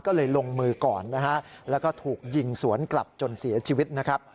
ก็เลยลงมือก่อนแล้วก็ถูกยิงสวนกลับจนเสียชีวิต